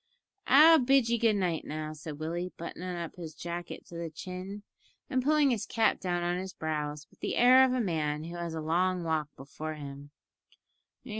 "I'll bid ye good night now," said Willie, buttoning up his jacket to the chin, and pulling his cap down on his brows with the air of a man who has a long walk before him.